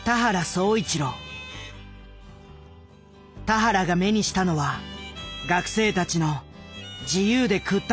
田原が目にしたのは学生たちの自由で屈託のない姿だった。